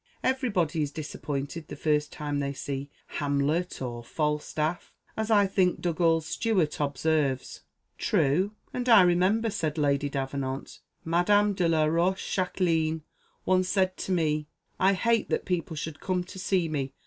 Every body is disappointed the first time they see Hamlet, or Falstaff, as I think Dugald Stewart observes." "True; and I remember," said Lady Davenant, "Madame de la Rochejaquelin once said to me, 'I hate that people should come to see me.